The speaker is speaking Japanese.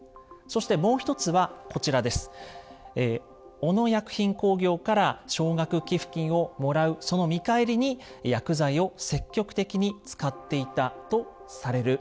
小野薬品工業から奨学寄付金をもらうその見返りに薬剤を積極的に使っていたとされるものです。